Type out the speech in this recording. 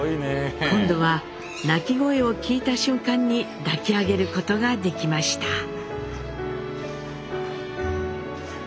今度は鳴き声を聞いた瞬間に抱き上げることができました。